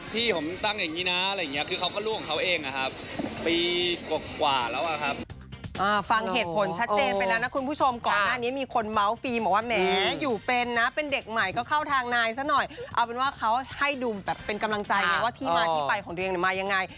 พี่ผมตั้งอย่างงี้นะคือเค้าก็รู้ของเค้าเองปีกว่าแล้ว